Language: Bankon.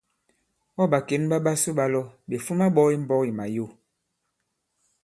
Ɔ̂ ɓàkěn ɓa ɓasu ɓa lɔ, ɓè fuma ɓɔ i mbɔ̄k i Màyo.